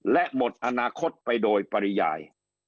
และหมดอนาคตไปโดยปริยาย